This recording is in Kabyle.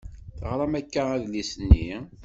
Teɣṛam akka adlis-nni?